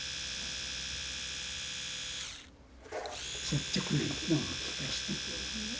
率直な意見を聞かして。